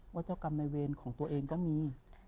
เจ้ากรรมในเวรของตัวเองก็มี